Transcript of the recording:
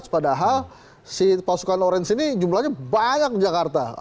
padahal si pasukan orange ini jumlahnya banyak di jakarta